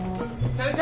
先生！